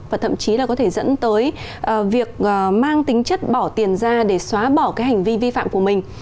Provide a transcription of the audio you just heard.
và thậm chí là có thể dẫn tới việc mang tính chất bỏ tiền ra để xóa bỏ cái hành vi vi phạm của mình